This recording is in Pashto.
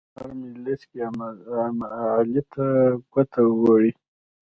په هر مجلس کې علي ته ګوته وړي.